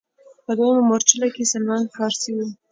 په دویمه مورچله کې سلمان فارسي و.